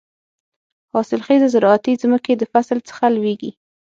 حاصل خېزه زراعتي ځمکې د فصل څخه لوېږي.